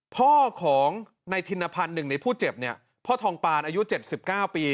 พ่อของในทิณภัณฑ์หนึ่งในผู้เจ็บเนี่ยพ่อทองปานอายุเจ็บสิบเก้าปี